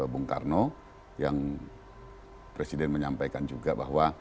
bung karno yang presiden menyampaikan juga bahwa